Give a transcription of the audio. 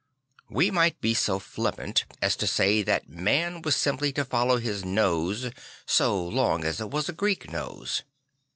We might be so flippant as to say that man was simply to follow his nose, so long as it was a Greek nose.